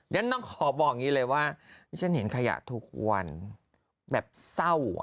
ฉันต้องขอบอกอย่างนี้เลยว่านี่ฉันเห็นขยะทุกวันแบบเศร้า